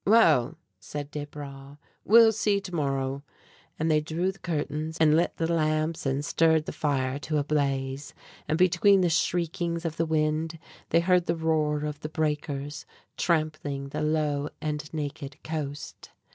"Well," said Desbra, "we'll see to morrow." And they drew the curtains and lit the lamps and stirred the fire to a blaze; and between the shriekings of the wind they heard the roar of the breakers, trampling the low and naked coast.